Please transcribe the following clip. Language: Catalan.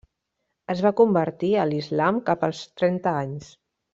Es va convertir a l'islam cap als trenta anys.